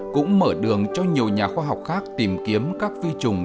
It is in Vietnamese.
cũng mở đường cho nhiều nhà khoa học khác tìm kiếm các vi trùng